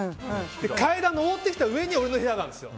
階段上ってきた上に俺の部屋があるんですよ。